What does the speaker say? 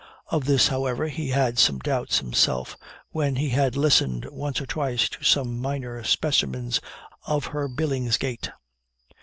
Of this, however, he had some doubts himself, when he had listened once or twice to some minor specimens of her Billingsgate.